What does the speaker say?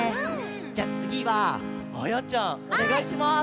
じゃあつぎはあやちゃんおねがいします。